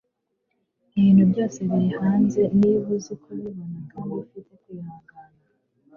ibintu byose biri hanze niba uzi kubibona, kandi ufite kwihangana